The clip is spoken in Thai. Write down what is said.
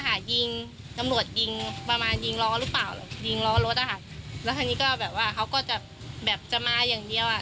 ที่จะได้ยิงล้อรถตอนเนี้ยก็แบบว่าเขาก็จะมาอย่างเดียว